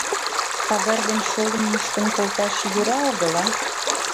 Пагар ден шолым мушкын колташ йӧра-огыла.